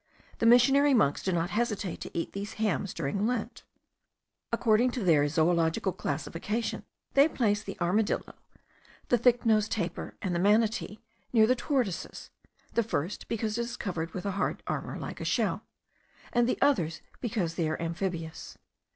The missionary monks do not hesitate to eat these hams during Lent. According to their zoological classification they place the armadillo, the thick nosed tapir, and the manatee, near the tortoises; the first, because it is covered with a hard armour like a sort of shell; and the others because they are amphibious.